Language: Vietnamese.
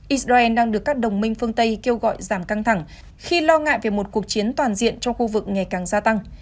israel đang được các đồng minh phương tây kêu gọi giảm căng thẳng khi lo ngại về một cuộc chiến toàn diện trong khu vực ngày càng gia tăng